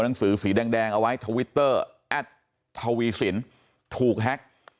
หนังสือสีแดงเอาไว้ทวิตเตอร์แอดทวีสินถูกแฮ็ก